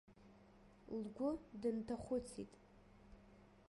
Лгәы дынҭахәыцит.